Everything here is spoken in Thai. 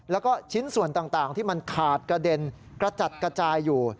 แล้วก็ชิ้นส่วนต่างที่มันขาดกระเด็นกระจัดกระจายอยู่